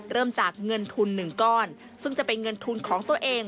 เริ่มจากเงินทุนหนึ่งก้อนซึ่งจะเป็นเงินทุนของตัวเอง